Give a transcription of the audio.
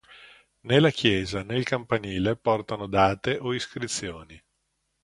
Né la chiesa né il campanile portano date o iscrizioni.